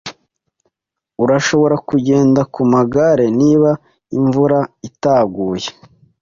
Urashobora kugenda ku magare niba imvura itaguye.